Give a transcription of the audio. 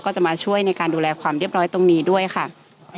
จะมาช่วยในการดูแลความเรียบร้อยตรงนี้ด้วยค่ะ